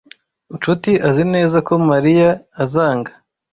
Nshuti azi neza ko Mariya azanga.